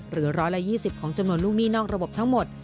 หรือ๑๒๐ของจำนวนลูกหนี้นอกระบบทั้งหมด